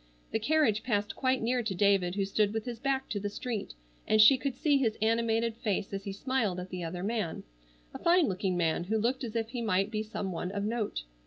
The carriage passed quite near to David who stood with his back to the street, and she could see his animated face as he smiled at the other man, a fine looking man who looked as if he might be some one of note.